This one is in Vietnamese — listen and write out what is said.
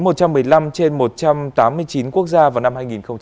trên một trăm tám mươi chín quốc gia vào năm hai nghìn hai mươi một